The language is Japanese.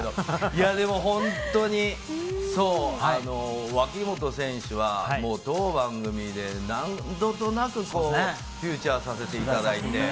いやでも、本当にそう、脇本選手はもう当番組で何度となくフューチャーさせていただいて。